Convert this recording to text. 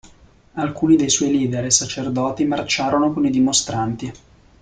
Alcuni dei suoi leader e sacerdoti marciarono con i dimostranti.